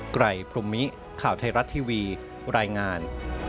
ไรพรมมิข่าวไทยรัฐทีวีรายงาน